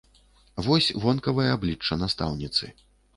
Вось вонкавае аблічча настаўніцы.